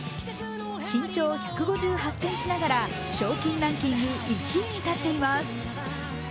身長１５８ｃｍながら賞金ランキング１位に立っています。